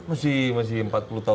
masih masih empat puluh tahun